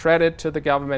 rất nhiều vấn đề